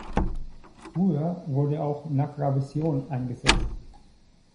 Früher wurde auch Nagravision eingesetzt.